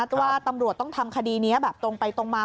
เพราะว่าตำรวจต้องทำคดีนี้แบบตรงไปตรงมา